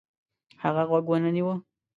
هغه غوږ ونه نیوه.